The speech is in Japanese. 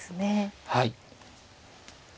はい。